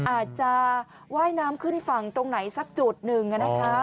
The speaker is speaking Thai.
อาจจะว่ายน้ำขึ้นฝั่งตรงไหนสักจุดหนึ่งนะคะ